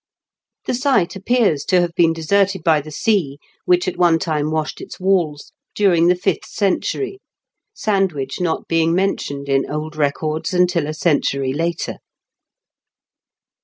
The A STBAPfGS mUIDENT. 231 site appears to haye be«n deserted by the s«, wisich at ©Dfe time washed its walk, during the fifdi century, Sandwich not being mentioned in old records until a eentniy later.